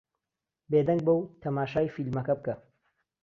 بێدەنگ بە و تەماشای فیلمەکە بکە.